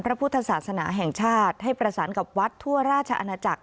พระพุทธศาสนาแห่งชาติให้ประสานกับวัดทั่วราชอาณาจักร